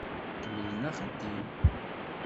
Kemmlem axeddim!